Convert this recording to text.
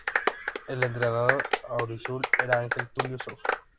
El entrenador "auriazul" era Ángel Tulio Zof.